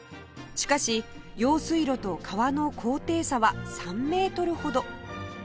しかし用水路と川の高低差は３メートルほど